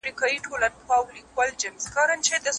زاهد مو تښتي له خلوته، رند پیالې ماتي کړې